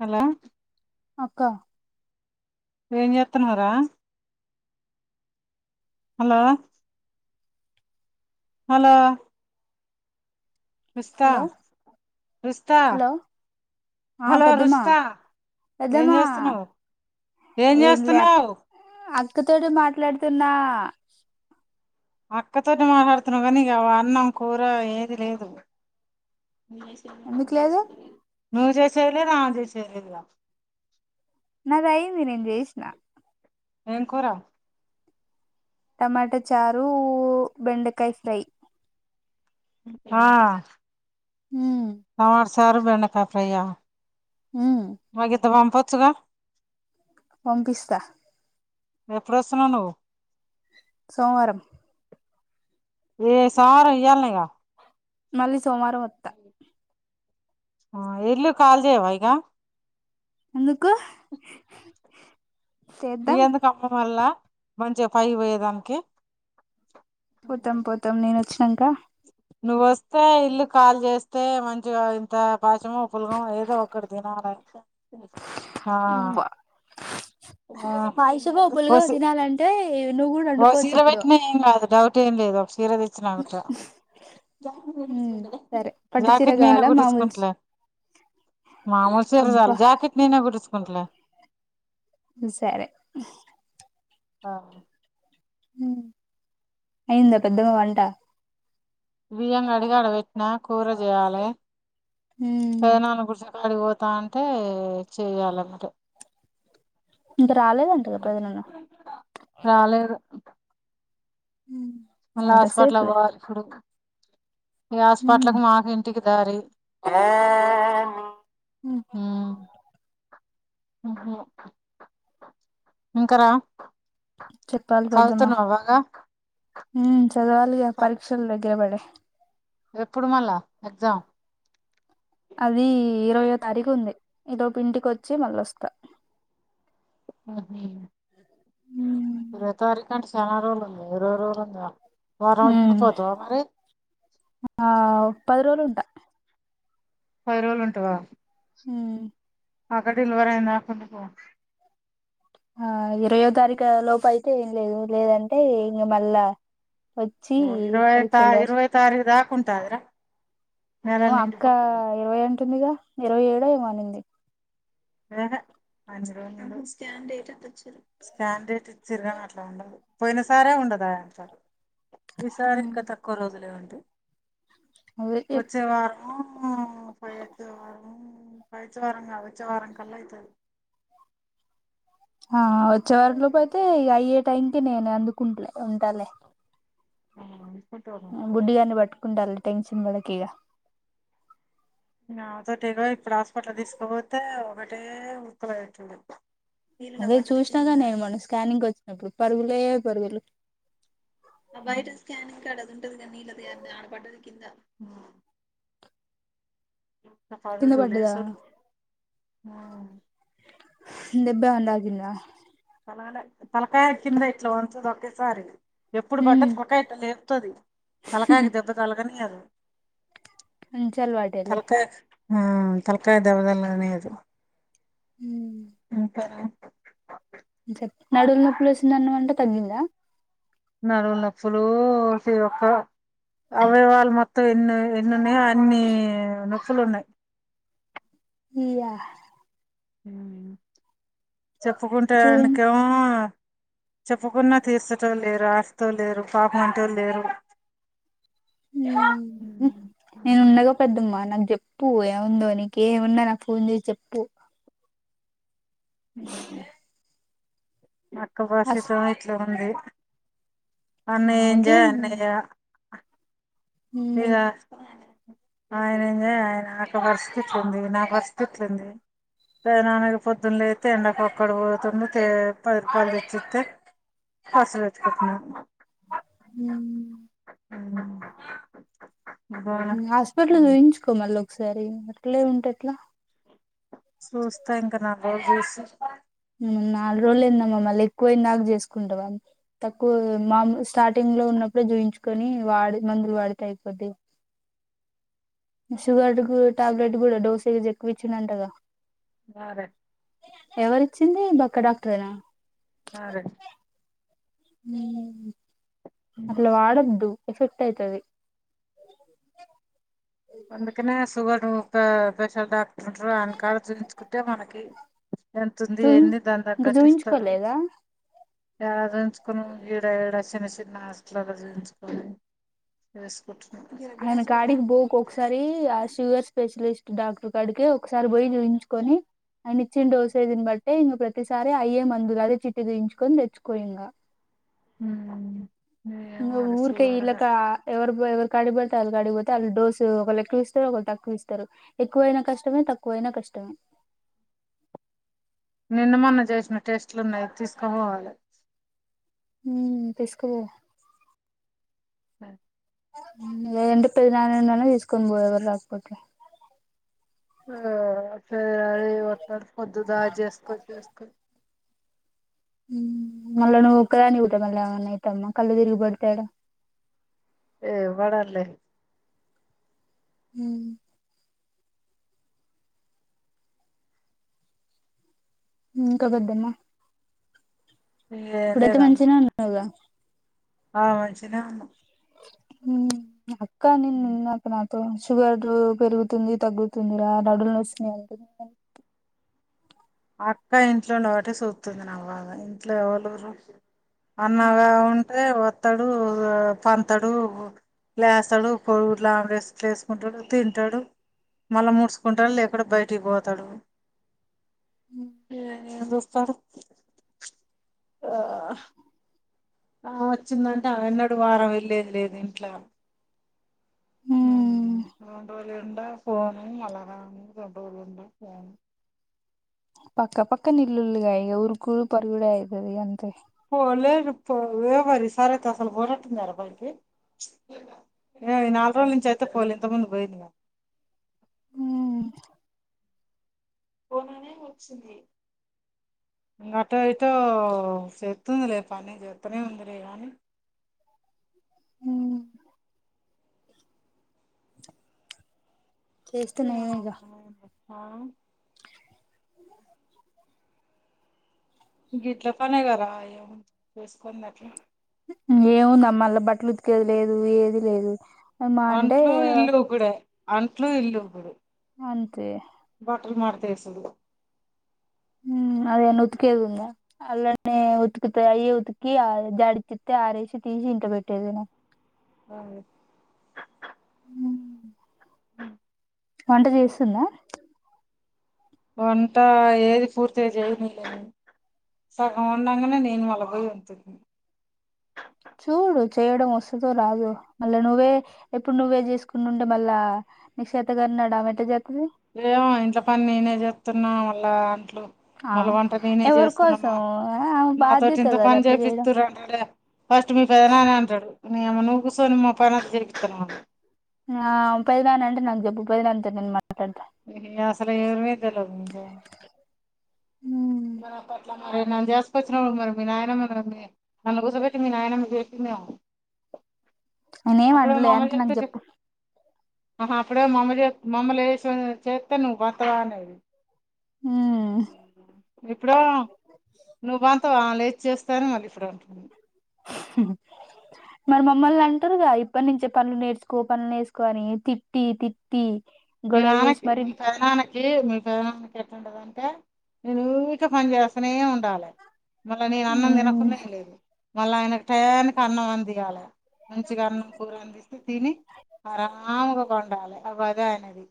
Hello అక్క ఏం చేత్తనావ్ రా హలో హలో రుస్తా హలో రుస్తా హలో ఆ హలో పెద్దమ్మా రుషిత ఏం పెద్దమ్మా చేస్తున్నావ్ ఏం జేస్తున్నావ్. అక్క తోటి మాట్లాడుతున్నా అక్కతోటి మాట్లాడుతున్నావు కానీ ఇగ అన్నం కూర ఏది లేదు ఎందుకు లేదు నువ్ చేసేదిలేదా లే సేయ్యల్ల నాది అయ్యింది నేం జేసి ఏం కూర టమాటా చారు బెండకాయ ఫ్రై ఆ ఉమ్ కామర్స్ చారు బెండకాయి ఫ్రె ఆ హు తో బం పోచ్చుగా వంపిస్తా ఎప్పుడోస్తున్నావ్ నువ్వు సోమవారం ఏ సోమవారం ఇయ్యాలనేగా మళ్లీ స్ సోమారం ఒత్త ఆ ఎల్లు కాల్ చెయ్యవా ఇగ ఎందుకు ఇగ్ చేద్దాం ఎందుకమ్మ మళ్ళా మంచిగ పైకి పొయ్యే దానికి పోతాం పోతాం నేను వచ్చినంక నువ్వొస్తే ఇల్లు ఖాళి చేస్తే మంచిగా ఇంత పాయసమో పులగమో ఏదో ఒకటి తినాలి ఆ పాయసమో ఓ పులిగో సి తినాలంటే నువ్వు కూడా ఓ వండుకోవచ్చు సీర ఇప్పుడు పెట్నా ఏమీకాదు డౌట్ ఏం లేదు కావ ర తెచ్చన ఉమ్ సరే పట్టుచీర జాకెట్ నేనే కావాలా మామూలు కుట్టించుకుంటలే మామూలు చీర చాలు అబ్బా జాకెట్ నేనే కుట్టించ కుంట్లె సరే ఆ అయిందా పొద్దున వంట బియ్యం కడిగి ఆడ పెట్టిన కూర చెయ్యాలె హ్మ్ పైనా వాళ్ళ గుడుస ఆడికిపోతా అంటే చెయ్యాలెంబటె ఇంక రాలేదంట కద ప్రవీణన్న మళ్ళా హాస్పట్లా ఎంతసేపులే పోవాలి ఇప్పుడు ఏ హాస్పట్లకు మార్నింగ్ పటలకీ దారి ఉమ్ హ్మ ఇంకరా చదువుతున్నవ బాగా హ్మ చదవాలిగ పరీక్షలు దగ్గరబడ్డయ్ ఎప్పుడు మళ్ళా ఎగ్జామ్ అదీ ఇరవైయో తారీఖు ఉంది ఈ లోపు ఇంటికి వచ్చి మళ్ళ వస్త ఆహా ఇరవైతారీఖంటే చాన రోజలు ఉంది ఇరవై రోజులు ఉన్నయి హ ఆ పద రోజలు పది రోజులు ఉంటావా? హ అగా డెలివర్ అయింద కొందుకు ఆ ఇరవయో తారీఖు లోపు అయితే ఏం లేదు లేదంటే ఇక మళ్ళా వచ్చి ఓ ఇరవై త పరీక్షలు రాసి ఇరవై తారీదాకుంట అ్ర ఏమో నెలలు అక్క నింపోతది ఇరవై అంటుందిగా ఇరవై ఏడో ఏమనింది ర స్న్ చిగా అట్లా ఉండదు పోయిన సారే ఉండదా విసారి ఇంకా తక్కువ రోజులువండి అదే వచ్చేవా పైచి వారం పైచివాారంగా అదచ్చ వారంగా కలైతే ఆ వచ్చే వారి పోలేప అయితే ఇక అయ్యే టైం ఇే నేను అందుకుంట ఉంటాలే అనుకుంటున్నా బ గుడ్డిగాన్ని పట్టుకుంటాంది టెన్షన్ పడకిగా నాతోటిగా ఇప్పుడు హాస్పిటల్ తీసుకుపోతే ఒకటే ఉక్క లై తుండు అదే చూసినాక నేను మనం స్కానింగ్ వచ్చినప్పుడు పరుగులే బరిగిలు అ బయిట స్కనింగ్కాడ అదింటదిగానీళ్ళది ఆ పడ్డది కింద సకళ కింద ఢోలే పడ్డదా స ఆగింద పల పలకాయ కింద ఇట్లా పన్కోంది ఒకేసారి ఎప్పుడు పడ్డ ఉమ్ త్వకాత లేవు స్తుది కలకాగి దెబ్బ కలకని అది చల్వాడేలే తలకాయ ఆ తలకాయ దెబతలకాయ లేదు అకా తగ్గింద నడువ న పలు ఒక్క అవేవాళ మొత్తం ఎన్న అన్ని తులన్నాయి ఇయా హ చెప్పుకుంటే చూయి వెనికేమో చెప్పుకున్నా తీర్చటో లేరు ఆస్తుతో లేరు పాపమంటూ లేరు నేను ఉన్నాగా పెద్దమ్మా చెప్పు ఏముందో నీక ఏమున్నా నాకు ఫోన్ చేసి చెప్పు ఉ అక్క అస్ భాషితమే చో అడే అన్న ఏంజా అన్నయ లేగా ఆమెకి ఆయన ఎంజాయ్ ఆయన నాకు పరిస్థితులుంది నా పరిస్థితులుంది ప నాన్నకి పొద్దున్న అయితే ఎండక ఒక్కడ పోతుంది తే పద పచ్చతే ఫసలు వచ్చ కట్టన ఉమ్మ్ ఉమ్ మ్మ్ హాస్పిటల్లో చూయించుకోమళ్ళ ఒకసారి అట్లే ఉంటే ఎట్లా చూస్తా ఇంకా నాలుగు రోజుల్ చూసి మ్మ్ నాలుగు రోజులు ఏందమ్మా మళ్ళీ ఎక్కువైందాక చేసుకుంటవా, తక్కువ మాము స్టార్టింగ్ లో ఉన్నప్పుడు చూయించుకొని వాడి మందులు వాడితే అయిపోద్ది. షుగర్ డ్కు టాబ్లెట్ కూడా డోసేజ్ ఎక్కువ ఇచ్చిందంటగా అదే ఎవరిచ్చింది బక్క డాక్టరే నా సారే హ్మ్ అట్ల వాడొద్దు ఎఫెక్ట్ అయితది అందుకనే షుగర్ క స్పెషల్ డాక్టర్ ఉంటారు ఆయన కాడ చూపిచుకుంటే మనకి. ఎంత ఉంది చూయిం ఏంది దాని ఇంకా తగ్గట్టిస్తారు చూయించుకోలేదా యాడ చూయించుకున ఈడ ఈడా చిన్న చిన్న హాస్పటల్లో జూయించుకొని వేస్ ట్ ఆయన కాడికి పోకు ఒకసారి ఆ షుగర్ స్పెషల్ బెస్ట్ డాక్టర్ కాడికే ఒకసారి పోయి చూయించుకొని ఆయన ఇచ్చిన డోసేజ్ ని బట్టే ఇంగ ప్రతిసారీ అయే మందులు అదే చీటీ చూయించుకొని తెచ్చుకో ఇంగ. ఉమ్ ఏమో మరి ఊర్ కై చూడగా ఇలక ఎవరు ఎవరి కాడిడితే వాళ్ళకి ఆడిపోతే వాళ్ళు డోసు ఒకళ్ళ ఎక్కువ ఇస్తారు ఒకళ్ళ తక్కువ ఇస్తారు ఎక్కువైనా కష్టమే తక్కువైనా కష్టమే నిన్న మొన్నా చేసిన టెస్ట్లు ఉన్నాయి తీసుకుపోవాలి హ తీసుకోపో హ ంటే పెది నాడినే తీసుకొని పోయ ఎవరు రాకపోతే ఆ ఫర వట్టారు పొద్దా చేసుకొ చేసుకో మళ్ళా న కని ఉత మళ్ళ అనైతమ్ కళ్ళ తిరిగి బడతాడ ఏ వాడాల హ ఉ కబద్దమ్మా ఏం ఇప్పుడైతే లేదమ్మ మంచిన ఉన్నావుగా ఆ మంచిన ఉ క్కనీ నిన్న క నా షుగర్ పెరుగుతుంది తగ్గుతుందిరా నడులు న వస్తుినాయి అ అక్క ఇంట్లో లో ఒకటే చూతుంది నావ్వాగా ఇంట్లో ఎవలూరు అన్నగా ఉంట్రే వత్తడు, తంతడు లేస్తాడు, కోడు గుడ్లు అమ్లెట్లు లేసుకుంటాడు, తింటడు మళ్ళా మూసుకుంటడు లేకుంటే బయటికి పోతడు. స అ సరే ఆ ఆ వచ్చిందంటే అ ఎన్నడుూ వారం వెళ్ళేది లేదు ఇంట్లో మ్మ్ రూండ వలి ఉండ ఫోను మలరా చూండ వలి ఉండ ఫోను పక్క పక్క నిల్లుల్గా ఈక ఉరుకులు పరుగుడ అయిదది అంత పోలేదు పో వేవరి ఈ సారి అయితే అసలు పోయినాదబ్బా విలికి ఈ నాలుగు రోజుల నుంచి అయితే పోలే ఇంత ముందు పోయింది. మ్మ్ అట్లయితే చెతుందిలే పని చెతనే ఉందిలే కానీ ఉ చేస్తున్నాయ ఇగా ఆ గీట్ల పనే కరా అయ్యో చూసుకోండి అట్ల ఏముందమ్మళ్ళ బట్టలు ఉతికేది లేదు ఏది లేదు అమ్మా అంటే అంట్లు ఇల్లు కూగుడే అంట్లు ఇల్లు ఇగూడు అంతే బాటల్ మారతే వేశాడు అదే అన్న ఉతికేదిందా అల్లనే ఉతికితే అయ్యి ఉతికి జాడి చిత్ ఆరేసి తీసి ఇట్ పెట్టేదేమో. అవు వంట చేస్తుందా వంట ఏది పూర్తి చేయనిలేని సగం ఉండంగానే నేను మళ్ల పోయి ఉంచి చూడు చేయడం వస్తుందో రాదో మళ్ళా నువ్వే ఎప్పుడు నువ్వే చేసుకునుఉండే మళ్ళా నిశచేతగాన్నాడ మట ఏమో ఇంట్లో పని నేనే తున్నా వళ్ళ ఆ మళ వంట నేనే ఎవరి కోసం చేస్తున్నామా ఆమె నాతోటి బాధ్యత ఇంత కదా పని అట్లా చేయడం చేపిస్త రంట అడే ఫస్ట్ మీ పెదనా అని అంటాడు మీ అమ్మని ఒకసారి ముఫై రాకా జిరీకుమాన్నా ఆ పైనా అంట నా జబ్బ ఉ పైదనాంత మాట్లాడ అసలు ఎరుమే తెల్వదు ఉ మరి నేను చేసుకొచ్చిన మరి మీ నాయనమ నన్ను గుర్చబెట్టి మీ నాయన చేస్తుందేమో. అయన ఏం వండలే అంటే నాకు చెప్పు ఆహా ఆప్పుడే మమ్మ మమ్మలే చేతను బంతవానేది ఉమ్ ఇప్పుడు నువ్ బ ఆ లేజ్ చేస్తాను మళ్ళీ ఇప్పుడు మరి మమ్మల్ని అంటారుగా ఇప్పటి నుంచే పనులు నేర్చుకో పనులు నేసుకని తిట్టి తిట్టి మీ గొడవ చేసి నాన్నకి మరి మీ పెద నాన్న కి మీ పెద్దననానికి ఎట్ండదంటే నేను ఉక పని చేస్తూనే ఉండాలి. మళ్ళ నేను అన్నం మ్మ్ తినకునే లేదు మళ్ళా ఆయనకి టైనికి అన్నం అందియాలి మంచిగా అన్నం కూర అందిస్తే తిని ఆరాముగా పండాలి అ అదే ఆయన అ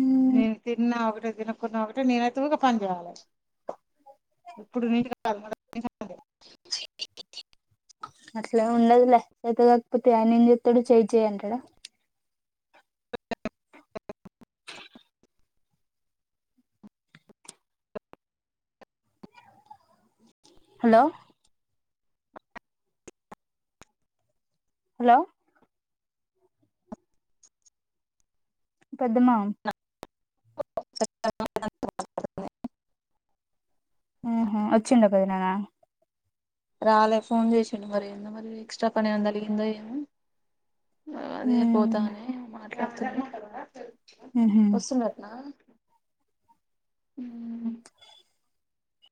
మ్మ్ నేను తిన్నా అ తినకున్న ఒకటె నేనైతే ఊకె పని చేయాలే ఇప్పుడు నీన్ కాద్ [inaudible] అసలే ఉండదులే అతే కాకపోతే ఆయన ఏం చెత్తడు చేయి, చేయి అంటాడ. హలో హలో పెద్దమా [inaudible] హు హుమ్ వచ్చిండా పోయినాన రాలే ఫోన్ చేసండి మరి ఏందో మరి ఎక్స్ట్రా పని ఏమో తలిగిందొ ఏమో అదే మ్మ్ పోతనేే మా మ్మ్ హు వస్తున్ డట్ నా హుమ్